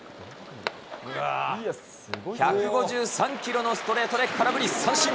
１５３キロのストレートで空振り三振。